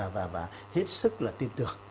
và hết sức tin tưởng